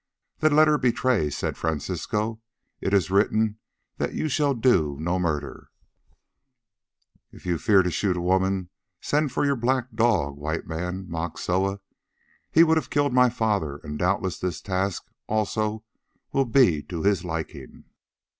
"Then let her betray," said Francisco; "it is written that you shall do no murder." "If you fear to shoot a woman, send for your black dog, White Man," mocked Soa. "He would have killed my father, and doubtless this task also will be to his liking."